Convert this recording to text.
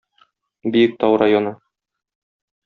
Биектау районы.